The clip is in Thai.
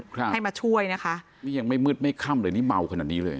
ครับให้มาช่วยนะคะนี่ยังไม่มืดไม่ค่ำเลยนี่เมาขนาดนี้เลย